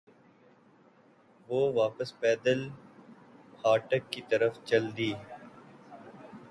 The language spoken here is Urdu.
وہ واپس پیدل پھاٹک کی طرف چل دی۔